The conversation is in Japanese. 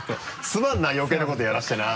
すまんな余計なことやらせてな。